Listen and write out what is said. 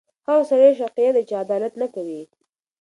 هغه سړی شقیه دی چې عدالت نه کوي.